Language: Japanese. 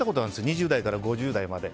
２０代から５０代まで。